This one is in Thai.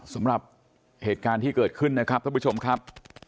สำหรับเหตุการณ์ที่เกิดขึ้นนะครับท่านผู้ชมครับ